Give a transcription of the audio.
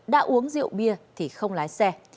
đã uống rượu bia thì không lái xe